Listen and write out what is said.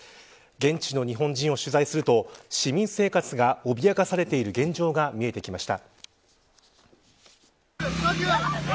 現地の日本人を取材すると市民生活が脅かされている現状が見えてきました。